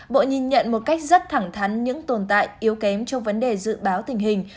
bộ nhìn nhận một cách rất thẳng thắn những tồn tại yếu kém trong vấn đề dự báo tình hình